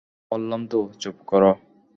বললাম তো, চুপ কর।